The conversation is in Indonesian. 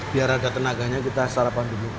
biar ada tenaganya kita sarapan dulu